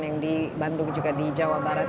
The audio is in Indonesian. yang di bandung juga di jawa barat